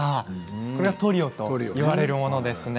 これはトリオと呼ばれるものですね。